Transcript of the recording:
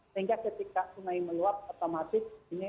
sehingga ketika sungai meluap otomatis ini air akan masuk